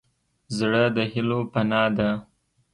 زړه د هيلو پناه ده.